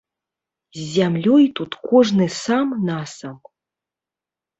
З зямлёй тут кожны сам-насам.